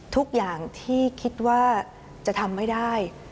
ทุกอย่างที่คิดว่าจะทำไม่ได้